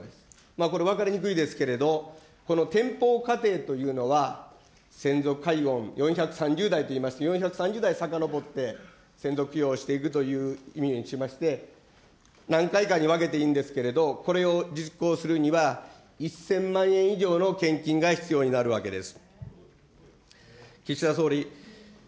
これ、分かりにくいですけれど、この天ほうかていというのは、先祖解怨４３０代といいます、４３０代さかのぼって、先祖供養をしていくという意味にしまして、何回かに分けていいんですけれど、これを実行するには、１０００万円以上の献金が必要になるわけです。